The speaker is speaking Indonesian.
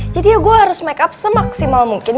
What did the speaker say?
jadi ya gue harus makeup semaksimal mungkin